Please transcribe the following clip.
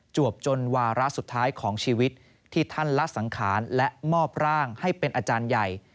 วบจนวาระสุดท้ายของชีวิตที่ท่านละสังขารและมอบร่างให้เป็นอาจารย์ใหญ่